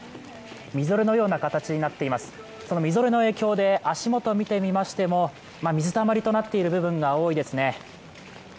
みぞれのような形になっています、みぞれの影響で、足元見てみましても水たまりとなっている部分が多いですね。